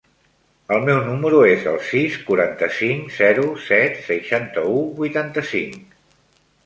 El meu número es el sis, quaranta-cinc, zero, set, seixanta-u, vuitanta-cinc.